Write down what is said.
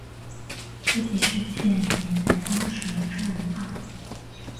这起事件也在当时招人话柄。